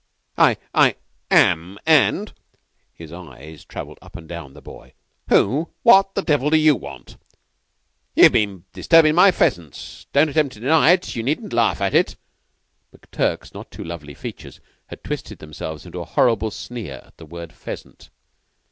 "I I am, and " his eyes traveled up and down the boy "who what the devil d'you want? Ye've been disturbing my pheasants. Don't attempt to deny it. Ye needn't laugh at it." (McTurk's not too lovely features had twisted themselves into a horrible sneer at the word pheasant.)